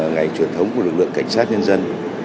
ngày truyền thống của lực lượng cảnh sát nhân dân